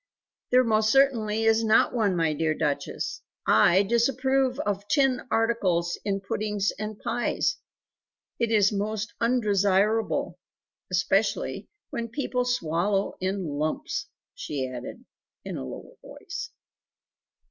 "There most certainly is not one, my dear Duchess. I disapprove of tin articles in puddings and pies. It is most undesirable (especially when people swallow in lumps!)" she added in a lower voice.